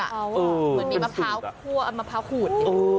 เหมือนแป้งก้วยทอดเหมือนมะพร้าวขูด